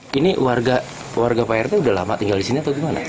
keluarga pak rt sudah lama tinggal di sini atau gimana